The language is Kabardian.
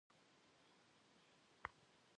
«Şşxeme, yi nezerıxhe mexhêy» jjêri şıhaş.